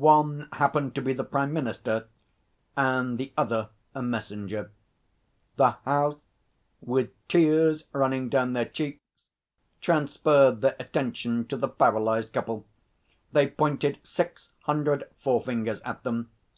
One happened to be the Prime Minister and the other a messenger. The House, with tears running down their cheeks, transferred their attention to the paralysed couple. They pointed six hundred forefingers at them.